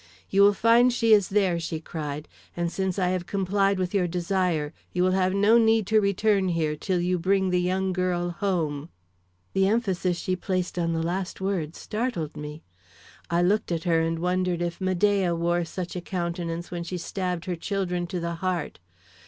"You will find she is there," she cried, "and since I have complied with your desire, you will have no need to return here till you bring the young girl home." The emphasis she placed on the last word startled me. I looked at her and wondered if Medea wore such a countenance when she stabbed her children to the heart.